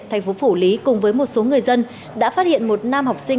thành phố phủ lý cùng với một số người dân đã phát hiện một nam học sinh